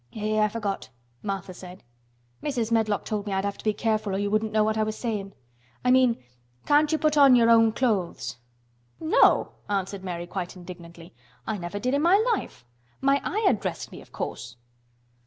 "Eh! I forgot," Martha said. "Mrs. Medlock told me I'd have to be careful or you wouldn't know what I was sayin'. I mean can't you put on your own clothes?" "No," answered Mary, quite indignantly. "I never did in my life. My Ayah dressed me, of course."